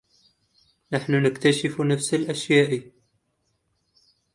نحن نكتشف نفس الأشياء.